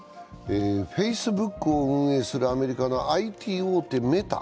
Ｆａｃｅｂｏｏｋを運営するアメリカのＩＴ大手、メタ。